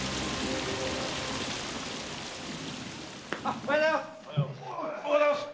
おはようございます！